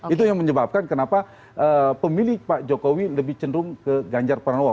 itu yang menyebabkan kenapa pemilih pak jokowi lebih cenderung ke ganjar pranowo